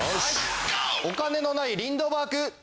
お金のないリンドバーグ。